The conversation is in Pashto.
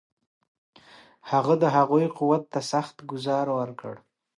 هغه د هغوی قوت ته سخت ګوزار ورکړ.